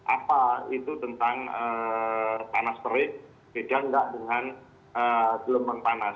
apa itu tentang panas terik beda nggak dengan gelombang panas